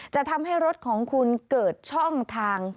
จะทำให้รถของคุณเกิดช่องทาง